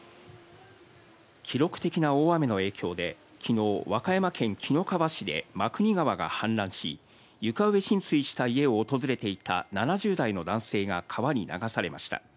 記録的な大雨の影響で、きのう、和歌山県、紀の川市で真国川が氾濫し、床上浸水した家を訪れていた７０代の男性が川に流されました。